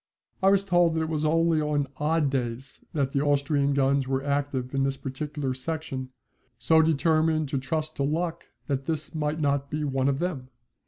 I was told that it was only on odd days that the Austrian guns were active in this particular section, so determined to trust to luck that this might not be one of them.